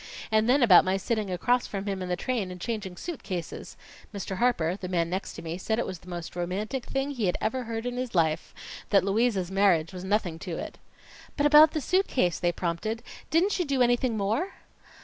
And then about my sitting across from him in the train and changing suit cases. Mr. Harper the man next to me said it was the most romantic thing he'd ever heard in his life; that Louise's marriage was nothing to it." "But about the suit case," they prompted. "Didn't you do anything more?"